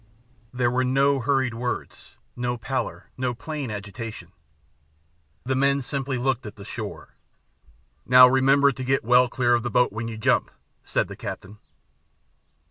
There were no hurried words, no pallor, no plain agitation. The men simply looked at the shore. "Now, remember to get well clear of the boat when you jump," said the captain.